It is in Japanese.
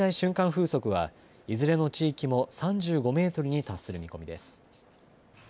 風速はいずれの地域も３５メートルに達する見込みです。